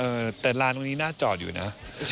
เออแต่ร้านตรงนี้หน้าจอดอยู่นะ